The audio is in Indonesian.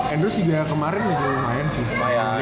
andrews juga kemarin lumayan sih